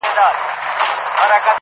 څه مسافره یمه خير دی ته مي ياد يې خو~